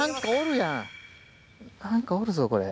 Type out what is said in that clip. やん何かおるぞこれ。